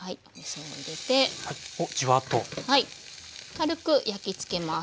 軽く焼きつけます。